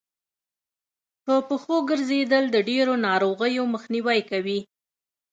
په پښو ګرځېدل د ډېرو ناروغيو مخنیوی کوي